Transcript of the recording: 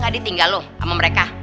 ga ditinggal lo sama mereka